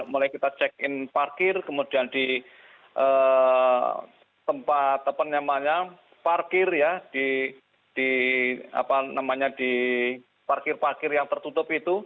mulai kita check in parkir kemudian di tempat parkir ya di parkir parkir yang tertutup itu